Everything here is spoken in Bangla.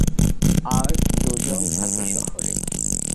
আর দুজন থাকে শহরে।